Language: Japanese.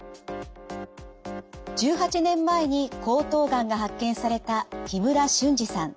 １８年前に喉頭がんが発見された木村俊治さん。